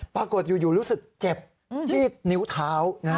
ปรากฏอยู่รู้สึกเจ็บที่นิ้วเท้า